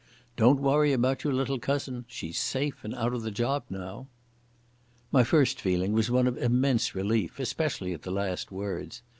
Don't worry about your little cousin. She's safe and out of the job now." My first feeling was one of immense relief, especially at the last words.